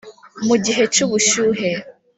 Mu gihe cy ubushyuhe